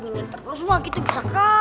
kunyit tercetak jembala